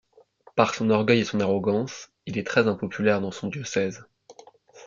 Par son orgueil et son arrogance, il est très impopulaire dans son diocèse.